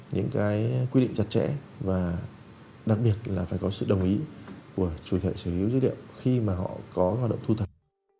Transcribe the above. những cái quy định chặt chẽ và đặc biệt là phải có sự đồng ý của chủ thể sở hữu dữ liệu khi mà họ có hoạt động thu thập